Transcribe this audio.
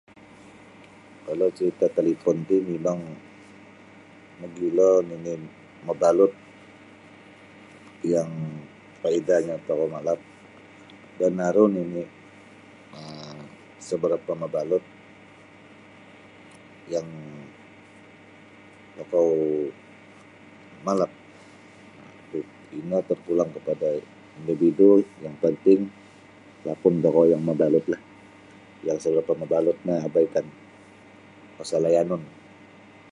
Kalau carita' talipon ti mimang mogilo nini' mabalut yang paidahnyo tokou malap dan aru nini' um sa' barapa' mabalut yang tokou malap ino terpulang kapada individu yang penting lapun tokou yang mabalutlah yang isa barapa' mabalut no abaikan kuasa layanun.